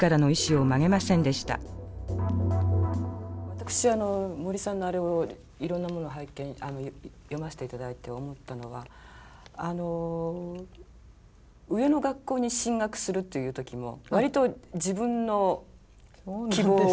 私森さんのあれをいろんなものを拝見読ませて頂いて思ったのは上の学校に進学するという時も割と自分の希望を。